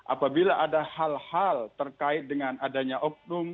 apabila ada hal hal terkait dengan adanya oknum